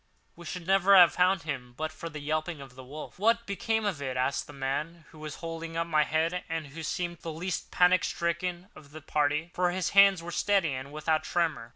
We should never have found him but for the yelping of the wolf." "What became of it?" asked the man who was holding up my head, and who seemed the least panic stricken of the party, for his hands were steady and without tremor.